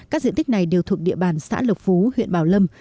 các diện tích này đều thuộc địa bàn xã lộc phú huyện bảo lâm